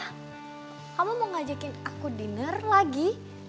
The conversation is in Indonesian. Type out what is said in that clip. hah kamu mau ngajakin aku dinner lagi